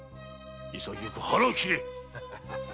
潔く腹を切れ！